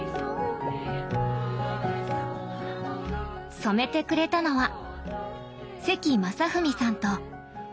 染めてくれたのは関将史さんと関裕子さん。